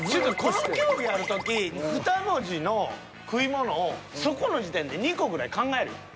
この競技やる時２文字の食い物をそこの時点で２個ぐらい考えるやん。